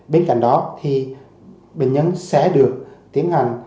bên cạnh đó thì bệnh nhân sẽ được tiến hành